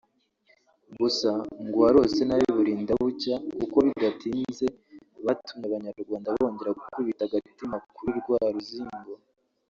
Gusa ngo uwarose nabi burinda bucya kuko bidatinze batumye abanyarwanda bongera gukubita agatima kuri rwa ruzingo